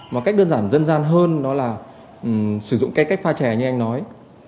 và cách đơn giản dân gian hơn đó là sử dụng cách pha chè như anh nói